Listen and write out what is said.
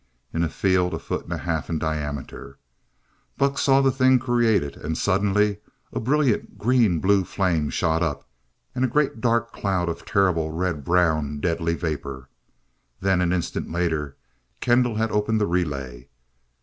In a field a foot and a half in diameter, Buck saw the thing created and suddenly a brilliant green blue flame shot up, and a great dark cloud of terrible, red brown deadly vapor. Then an instant later, Kendall had opened the relay.